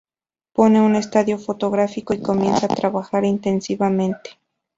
Pone un estudio fotográfico y comienza a trabajar intensivamente.